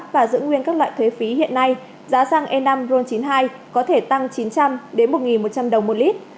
và giữ nguyên các loại thuế phí hiện nay giá xăng e năm ron chín mươi hai có thể tăng chín trăm linh đến một một trăm linh đồng một lít